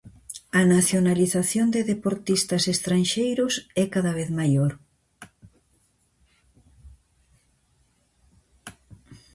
A nacionalización de deportistas estranxeiros é cada vez maior.